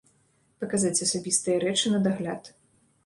Паказаць асабістыя рэчы на дагляд.